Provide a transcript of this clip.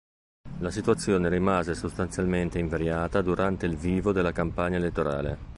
La situazione rimase sostanzialmente invariata durante il vivo della campagna elettorale.